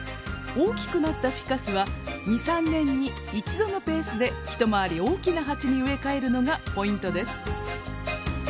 大きくなったフィカスは２３年に１度のペースで一回り大きな鉢に植え替えるのがポイントです。